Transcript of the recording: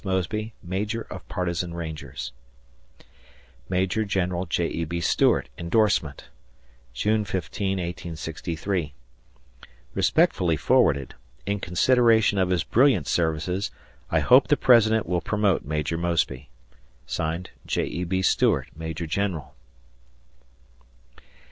Mosby, Major of Partisan Rangers. Maj. Gen. J. E. B. Stuart. [Indorsement] June 15, 1863. Respectfully forwarded. In consideration of his brilliant services, I hope the President will promote Maj. Mosby. J. E. B. Stuart, Major General.